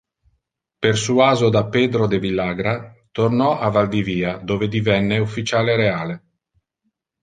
Persuaso da Pedro de Villagra, tornò a Valdivia dove divenne ufficiale Reale.